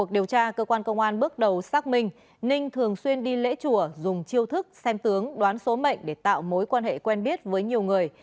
điều tra cơ quan công an bước đầu xác minh ninh thường xuyên đi lễ chùa dùng chiêu thức xem tướng đoán số mệnh để tạo mối quan hệ quen biết với nhiều người